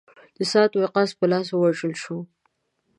د سعد وقاص په لاس ووژل شو.